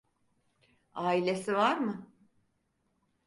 Ailesi var mı?